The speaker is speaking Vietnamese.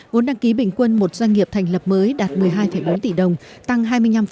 vốn đăng ký bình quân một doanh nghiệp thành lập mới đạt một mươi hai bốn tỷ đồng tăng hai mươi năm